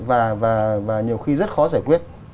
và nhiều khi rất khó giải quyết